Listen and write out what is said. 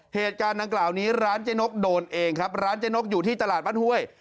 เหตุการณ์ดังกล่าวนี้ร้านเจ๊นกโดนเองครับร้านเจ๊นกอยู่ที่ตลาดบ้านห้วย